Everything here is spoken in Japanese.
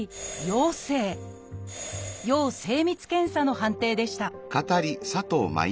「要精密検査」の判定でした